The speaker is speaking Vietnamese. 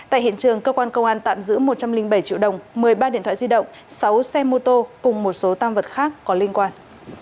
tại hiện trường cơ quan công an tạm giữ một trăm linh bảy triệu đồng một mươi ba điện thoại di động sáu xe mô tô cùng một số tam vật khác có liên quan